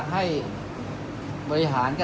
จากประสบการณ์นะครับ